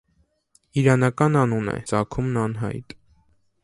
Իրանական անուն է, ծագումն անհայտ։